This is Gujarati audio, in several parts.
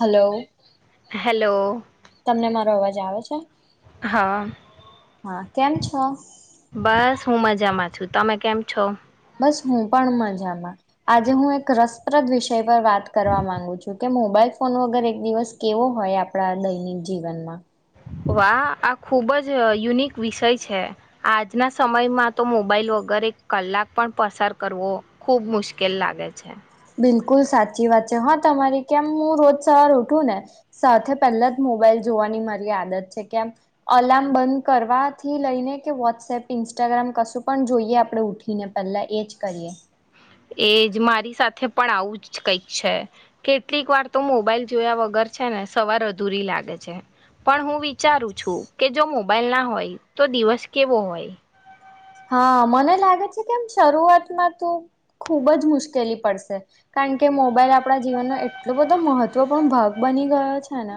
હલો હેલો તમને મા રો અવાજ આવે છે? હા હા કેમ છો બસ. હું મજામાં છું. તમે કેમ છો? બસ હું પણ મજામાં આજે હું એક રસપ્રદ વિષય પર વાત કરવા માંગુ છું. કે મોબાઈલ ફોન વગર એક દિવસ કેવો હોય આપડા દૈનિક જીવનમાં. વાહ આ ખૂબ જ યુનિક વિષય છે આજના સમયમાં તો મોબાઈલ વગર એક કલાક પણ પસાર કરવો ખૂબ મુશ્કેલ લાગે છે. બિલકુલ સાચી વાત છે હા તમારી કેમ હું રોજ સવાર ઉઠું ને સાથે પહેલા જ મોબાઈલ જોવાની મારી આદત છે કેમ અલાર્મ બંધ કરવાથી લઈને કે વોટ્સએપ ઇન્સ્ટાગ્રામ કશું પણ જોઈએ આપણે ઉઠીને પહેલા એ જ કરીએ. એ જ મારી સાથે પણ આવું જ કઈક છે કેટલીક વાર તો મોબાઈલ જોયા વગર છે ને સવાર અધૂરી લાગે છે પણ હું વિચારું છું કે જો મોબાઈલ ના હોય તો દિવસ કેવો હોય. હા મને લાગે છે કેમ શરૂઆતમાં તો ખુબ જ મુશ્કેલી પડશે કારણ કે મોબાઈલ આપણા જીવનનો એટલો બધો મહત્વપૂર્ણ ભાગ બની ગયો છે ને.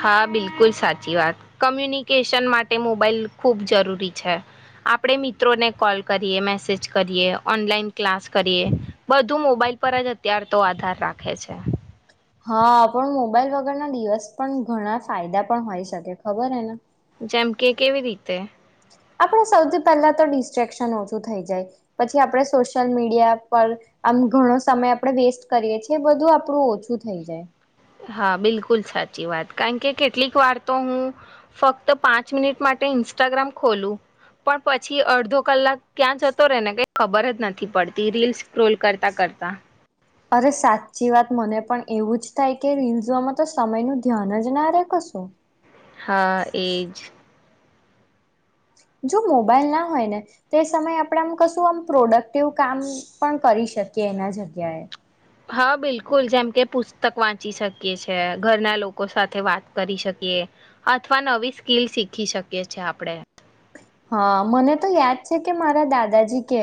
હા બિલકુલ સાચી વાત કમ્યુનિકેશન માટે મોબાઈલ ખૂબ જરૂરી છે. આપણે મિત્રોને કોલ કરીએ, મેસેજ કરીએ, ઓનલાઈન ક્લાસ કરીએ, બધું મોબાઈલ પર જ અત્યાર તો આધાર રાખે છે. હા પણ મોબાઈલ વગર ના દિવસ પણ ઘણા ફાયદા પણ હોઈ શકે ખબર હ ને. જેમ કે કેવી રીતે? આપણે સૌથી પહેલા તો ડિસ્ટ્રેક્શન ઓછું થઈ જાય પછી આપણે સોશિયલ મીડિયા પર આમ ઘણો સમય આપણે વેસ્ટ કરીએ છએ એ બધું આપણું ઓછું થઈ જાય. હા બિલકુલ સાચી વાત કારણ કે કેટલીક વાર તો હું ફક્ત પાંચ મિનિટ માટે ઇન્સ્ટાગ્રામ ખોલું પણ પછી અડધો કલાક ક્યાં જતો રહેે ને કઈ ખબર જ નથી પડતી રીલ્સ સ્ક્રોલ કરતા કરતા. અરે સાચી વાત મને પણ એવું જ થાય કે રીઝવામાં તો સમય ન ધ્યાન જ ના ર કશું. હા એજ. જો મોબાઈલ ના હોય ને તે સમયે આપણે આમ કશું આમ પ્રોડક્ટિવ કામ પણ કરી શકીએ એના જગ્યાએ. હા બિલકુલ જેમ કે પુસ્તક વાંચી શકીએ છે ઘરના લોકો સાથે વાત કરી શકીએ અથવા નવી સ્કીિલ શીખી શકીએ છે આપણેે. હા મને તો યાદ છે કે મારા દાદાજી કે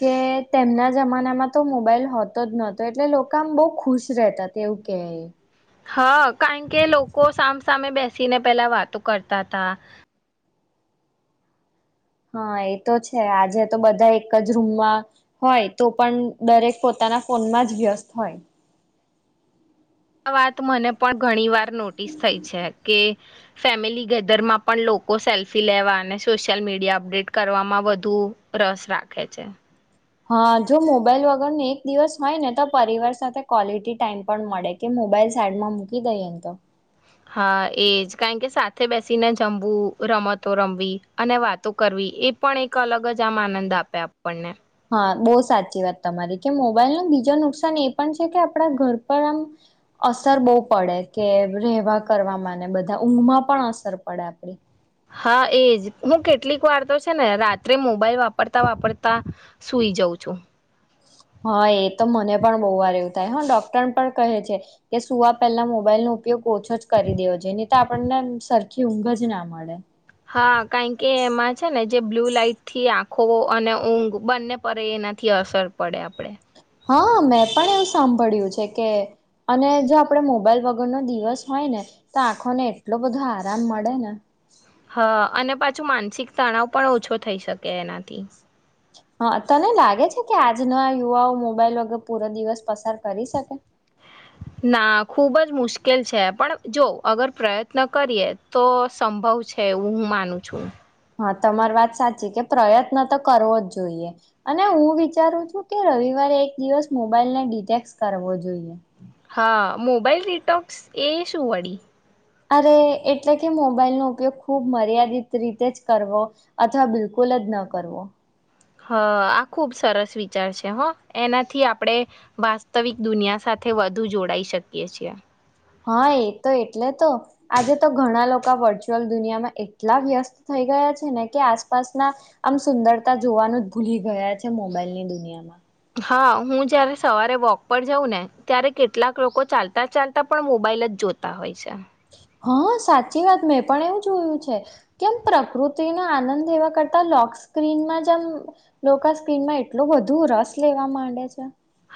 કે તેમના જમાનામાં તો મોબાઈલ હોતો જ નહતો એટલે લોકો આમ બહ ખુશ રહેતા તે એવું કહે. હા કારણ કે લોકો સામસામે બેસીને પેલા વાતો કરતા હતા. હા એ તો છે આજે તો બધા એક જ રૂમમાં હોય તો પણ દરેક પોતાના ફોનમાં જ વ્યસ્ત હોય. આ વાત મને પણ ઘણી વાર નોટિસ થઈ છે કે ફેમિલી ગેધરમાં પણ લોકો સેલ્ફી લેવા અને સોશિયલ મીડિયા અપડેટ કરવામાં વધુ રસ રાખે છે. હા જો મોબાઈલ વગર ન એક દિવસ હોય ને તો પરિવાર સાથે ક્વોલિટી ટાઈમ પણ મળે કે મોબાઈલ સાઈડમાં મૂકી દઈએને તો. હા એજ કારણ કે સાથે બેસીને જમવું રમતો રમવી અને વાતો કરવી એ પણ એક અલગ જ આમ આનંદ આપે આપણને. હા બહુ સાચી વાત તમારી કે મોબાઈલ ન બીજું નુકસાન એ પણ છે કે આપડા ઘર પર આમ અસર બહુ પડે કે રેવા કરવાવામાં બધા ઊંઘમાં પણ અસર પડે આપડી. હા એજ હું કેટલીક વાર તો છે ને રાત્રે મોબાઈલ વાપરતા વાપરતા સુઈ જાઉં છું. હા એ તો મને પણ બહુ વાર એવું થાય હ ડોક્ટર પણ કહે છે કે સુઆ પહેલા મોબાઈલ નો ઉપયોગ ઓછો જ કરી દેઓ જોય ની તો આપણને સરખી ઊંઘ જ ના મળે. હા કારણ કે એમાં છે ને જે બ્લુ લાઈટ થી આંખો અને ઊંઘ બંને પરે એનાથી અસર પડે આપડે. હા મેં પણ એવું સાંભળ્યું છે કે અને જો આપડે મોબાઈલ વગર નો દિવસ હોય ને તો આંખોને એટલો બધો આરામ મળે ને. હા. અને પાછું માનસિક તણાવ પણ ઓછો થઈ શકે એનાથી. હા તને લાગે છે કે આજના યુવાઓ મોબાઈલ વગર પૂરો દિવસ પસાર કરી શકે? ના ખુબ જ મુશ્કેલ છે પણ જો અગર પ્રયત્ન કરીએ તો સંભવ છે એવું હું માનું છું. હા તમારી વાત સાચી કે પ્રયત્ન તો કરવો જ જોઈએ અને હું વિચારું છું કે રવિવારે એક દિવસ મોબાઈલને ડિટેક્ટર્સ કરવો જોઈએ. હા મોબાઈલ ડીટોક્સ એ શું વળી? અરે એટલે કે મોબાઈલનો ઉપયોગ ખૂબ મર્યાદિત રીતે જ કરવો, અથવા બિલકુલ જ ન કરવો. હ આ ખુબ સરસ વિચાર છે હ એનાથી આપણે, વાસ્તવિક દુનિયા સાથે વધુ જોડાઈ શકીએ છીએ. હા એ તો એટલે તો આજે તો ઘણા લોકો વર્ચ્યુઅલ દુનિયામાં એટલા વ્યસ્ત થઈ ગયા છે ને કે આસપાસના, આમ સુંદરતા જોવાનું જ ભૂલી ગયા છે મોબાઈલ ની દુનિયામાં. હા હું જ્યારે સવારે વોક પર જાઉં ને ત્યારે કેટલાક લોકો ચાલતાં ચાલતાં પણ મોબાઈલ જ જોતા હોય છે. હા સાચી વાત મેં પણ એવું જોયું છે, કેમ પ્રકૃતિનો આનંદ લેવા કરતા લોક સ્ક્રીનમાં જેમ લોકા સ્ક્રીનમાં એટલો બધુ રસ લેવા માંડે છે.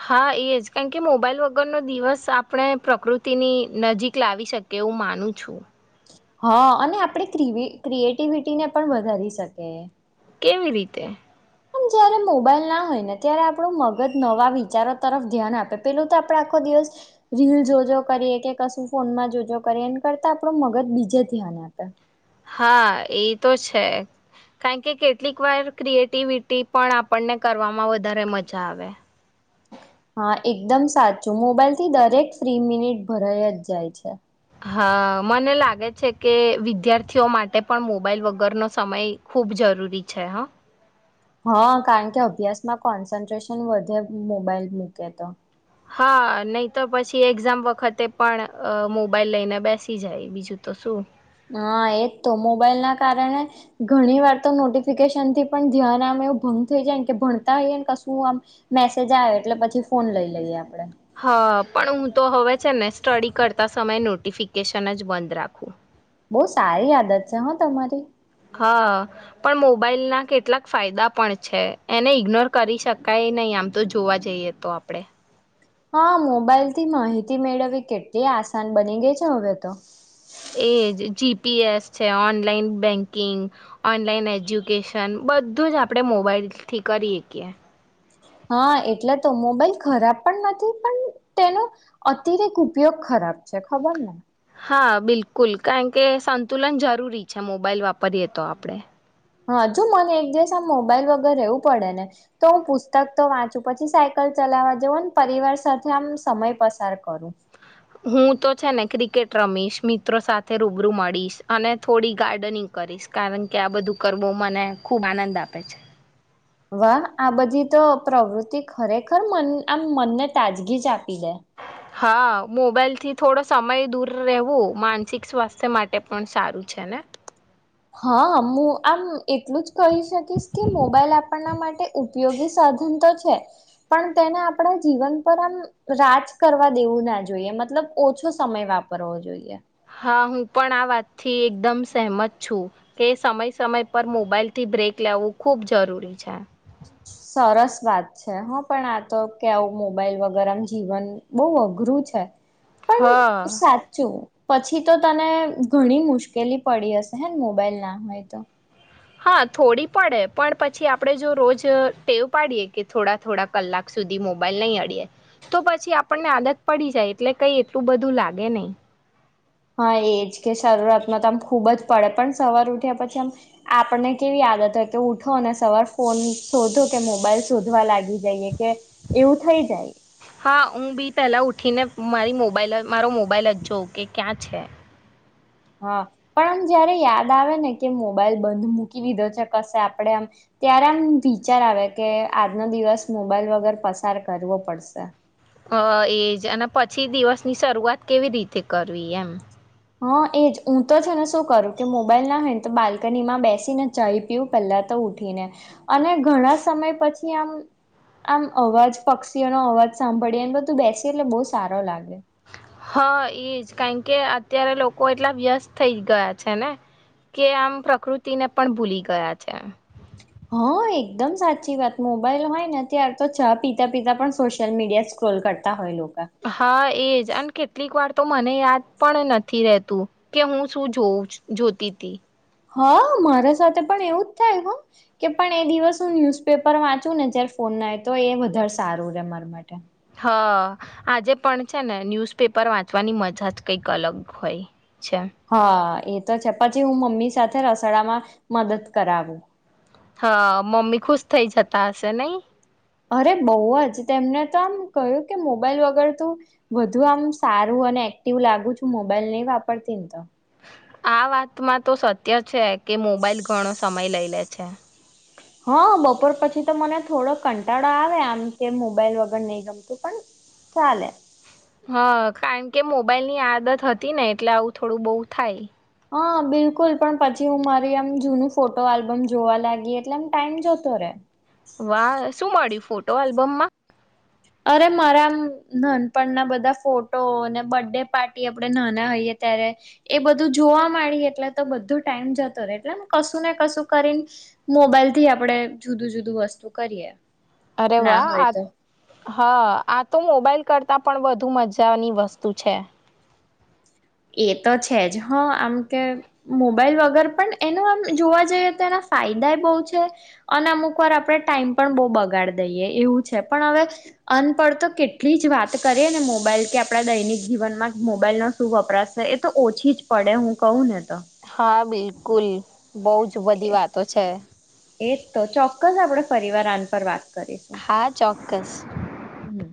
હા એ જ કારણ કે મોબાઈલ વગરનો દિવસ આપણે પ્રકૃતિની નજીક લાવી શકીએ એવું માનું છું. હા અને આપણે ક્ર ક્રિએટિવિટી ને પણ વધારી શકે. કેવી રીતે? મ જયારે મોબાઈલ ના હોય ને ત્યારે આપણું મગજ નવા વિચારો તરફ ધ્યાન આપે પેલું તો આપણે આખો દિવસ, રીલ જોજો કરીએ કે કશું ફોનમાં જોજો કરીએ એ કરતા આપણું મગજ બીજે ધ્યાન આપે. હા એ તો છે, કારણ કે કેટલીક વાર ક્રિએટિવિટી પણ આપણને કરવામાં વધારે મજા આવે. હા એકદમ સાચું મોબાઈલ થી દરેક ફ્રી મિનિટ ભરાઈ જ જાય છે. હા મને લાગે છે કે વિદ્યાર્થીઓ માટે પણ મોબાઈલ વગરનો સમય ખૂબ જરૂરી છે હા. હા કારણ કે અભ્યાસમાં કોન્સન્ટ્રેશન વધે મોબાઈલ મૂકે તો. હા નહી તો પછી એક્ઝામ વખતે પણ મોબાઈલ લઈને બેસી જાય બીજું તો શું. હા એજ તો મોબાઈલ ના કારણે, ઘણી વાર તો નોટિફિકેશન થી પણ ધ્યાન આમ એવું ભંગ થઈ જાય કે ભણતા હોઈયએ ને કશું આમ, મેસેજ આવે એટલે પછી ફોન લઈ લઈએ આપડે. હા પણ હું તો હવે છે ને સ્ટડી કરતા સમયે નોટિફિકેશન જ બંધ રાખું. બહુ સારી આદત છે હા તમારી. હા, પણ મોબાઈલના કેટલાક ફાયદા પણ છે એને ઇગ્નોર કરી શકાય નહીં આમ તો જોવા જઈએ તો આપણેે. હા મોબાઈલ થી માહિતી મેળવવી કેટલી આસાન બની ગઈ છે હવે તો. એજ જી પી એસ છે ઓનલાઈન બેન્કિંગ, ઓનલાઈન એજ્યુકેશન બધું જ આપણે મોબાઈલથી કરી એકીએ. હા એટલે તો મોબાઈલ ખરાબ પણ નથી પણ તેનો, અતિરેક ઉપયોગ ખરાબ છે ખબર ને. હા બિલકુલ કારણ કે સંતુલન જરૂરી છે મોબાઈલ વાપરીએ તો આપણેે. હાજુ મને એક દિવસ આમ મોબાઈલ વગર રહેવું પડે ને, તો હું પુસ્તક તો વાંચું પછી સાયકલ ચલાવવા જવું ને પરિવાર સાથે આમ સમય પસાર કરું. હું તો છે ને ક્રિકેટ રમીશ મિત્રો સાથે રૂબરૂ મળીશ અને થોડી ગાર્ડનિંગ કરીશ કારણ કે આ બધું કરવું મને ખૂબ આનંદ આપે છે. વાહ આ બધી તો પ્રવૃત્તિ ખરેખર મ આમ મનને તાજગી જ આપી દે. હા મોબાઈલ થી થોડો સમય દૂર રહેવું માનસિક સ્વાસ્થ્ય માટે પણ સારું છે ને. હા મુું આમ એટલું જ કહી શકીશ કે મોબાઈલ આપપ આપના માટે ઉપયોગી સાધન તો છે, પણ તેને આપણા જીવન પર આમ રાજ કરવા દેવું ના જોઈએ મતલબ ઓછો સમય વાપરવો જોઈએ. હા હું પણ આ વાતથી એકદમ સહેમત છું, કે સમય સમય પર મોબાઈલથી બ્રેક લેાવવું ખૂબ જરૂરી છે. સરસ વાત છે હા પણ આ તો કે આવું મોબાઈલ વગેરમ જીવન બહુ અઘરું છે. પણ હા સાચું. પછી તો તને ઘણી મુશ્કેલી પડી હશે હે મોબાઈલ ના હોય તો? હા થોડી પડે પણ પછી આપડણે જો રોજ ટેવ પાડીએ કે થોડા થોડા કલાક સુધી મોબાઈલ નહી અડીએે, તો પછી આપણને આદત પડી જાય એટલે કઈ એટલું બધું લાગે નહી. હા એજ કે શરૂઆતમાં તો આમ ખુબ જ પડે પણ સવાર ઉઠ્યા પછી આમ, આપણને કેવી આદત હોય કે ઉઠો અને સવાર ફોન શોધો કે મોબાઈલ શોધવા લાગી જઈએ. કે એવું થઈ જાય હા ઊ બી પેલા ઉઠી ને મારી મોબાઈલ મારો મોબાઈલ જોં કે ક્યાં છે. હા, પણ આમ જયારે યાદ આવે ને કે મોબાઈલ બંધ મૂકી દીધો છે કશે આપડે આમ, ત્યારે આમ વિચાર આવે કે આજનો દિવસ મોબાઈલ વગર પસાર કરવો પડશે. અ એજ અને પછી દિવસની શરૂઆત કેવી રીતે કરવી એમ. હા એજ હું તો છે ને શું કરું કે મોબાઈલ ના હોય ને તો બાલ્કનીમાં બેસીને ચાઈ પીવુ પેલા તો ઉઠીને, અને ઘણા સમય પછી આમ આમ અવાજ પક્ષીઓનો અવાજ સાંભળીએ ને બધું બેસી એટલે બહુ સારો લાગે. હા એજ કારણ કે અત્યારે લોકો એટલા વ્યસ્ત થઈ ગયા છે ને, કે આમ પ્રકૃતિને પણ ભૂલી ગયા છે. હા એકદમ સાચી વાત મોબાઈલ હોય ને ત્યાર તો ચા પીતા પીતા પણ સોશિયલ મીડિયા સ્ક્રોલ કરતા હોય લોકો. હા એજ અને કેટલીક વાર તો મને યાદ પણ નથી રેતું કે હું શું જો જોતી તી. હા મારા સાથે પણ એવું જ થાય હ કે પણ એ દિવસ હું ન્યુઝપેપર વાંચુંને જયારે ફોન ના હોય તો એ વધારે સારું રે મારા માટે અ આજે પણ છે ને ન્યૂઝ પેપર વાંચવાની મજા જ કંઈક અલગ હોય છે હા એ તો છે પછી હું મમ્મી સાથે રસોડામાં મદદ કરાવું હા મમ્મી ખુશ થઇ જતા હશે નહી અરે બઉજ તેમને તો આમ કહ્યું કે મોબાઈલ વગર તું વધુ આમ સારું અને એક્ટિવ લાગુ છું મોબાઈલ નહી વાપરતી ને તો આ વાતમાં તો સત્ય છે કે મોબાઈલ ઘણો સમય લઈ લ લે છે. હા બપોર પછી તો મને થોડો કંટાળો આવે આમ કે મોબાઈલ વગર નઈ ગમતું પણ ચાલે હા કારણ કે મોબાઈલની આદત હતી ને એટલે આવું થોડું બહુ થાય હા બિલકુલ પણ પછી હું મારી આમ જૂનું ફોટો આલ્બમ જોવા લાગી એટલે એમ ટાઈમ જતો રે વાહ શું મળ્યું ફોટો આલ્બમમાં અરે મારામ નાનપણના બધા ફોટો અનેન બર્થડે પાર્ટી આપણે નાના હોઈએ ત્યારે એ બધું જોવા માંડીએ એટલે તો બધો ટાઈમ જતો રહેે એટલેમ કશું ને કશું કરીને મોબાઈલથી આપણે જુદું જુદું વસ્તુ કરીએ. અરે ના વાહ હોય આ તો. હા આ તો મોબાઈલ કરતાં પણ વધુ મજાની વસ્તુ છે. એ તો છે જ હ આમ કે મોબાઈલ વગર પણ એનો આમ જોવા જઈએ તો એના ફાયદા બહુ છે અને અમુક વાર આપણે ટાઈમ પણ બહુ બગાડી દઈએ એવું છે પણ હવે અનપઢ તો કેટલી જ વાત કરે ને મોબાઈલ કે આપડા દૈનિક જીવનમાં મોબાઈલનો શું વપ પરાશ એ તો ઓછી જ પડે હું કહું ને તો હા બિલ કુલ બહુ જ બધી વાતો છે. પરિવાર આન પર વાત કરીશું હા ચોક્કસ હમ